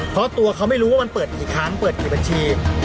เพราะตัวเขาไม่รู้ว่ามันเปิดกี่ครั้งเปิดกี่บัญชี